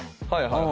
はい